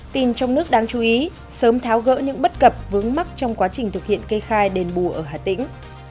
tin trong nước đáng chú ý sớm tháo gỡ những bất cập vướng mắc trong quá trình thực hiện kê khai đền bù ở hà tĩnh